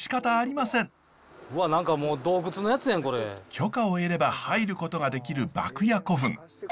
許可を得れば入ることができる牧野古墳。